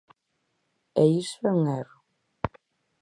E iso é un erro.